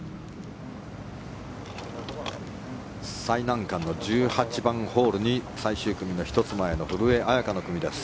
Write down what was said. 最難関の１８番ホールに最終組の１つ前の古江彩佳の組です。